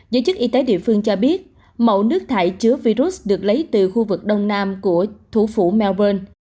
giới chức y tế địa phương cho biết mẫu nước thải chứa virus được lấy từ khu vực đông nam của thủ phủ melbourne